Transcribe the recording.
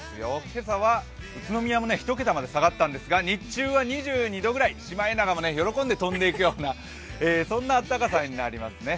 今朝は宇都宮も１桁まで下がったんですが日中は２２度ぐらい、シマエナガも喜んで飛んでいくような暖かさになりますね。